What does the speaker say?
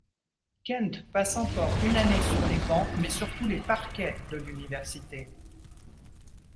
Kent passe encore une année sur les bancs, mais surtout les parquets de l'université.